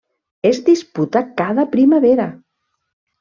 Es disputa cada primavera.